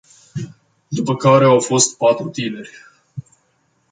După care au fost patru tineri.